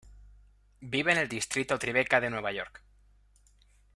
Vive en el distrito TriBeCa de Nueva York.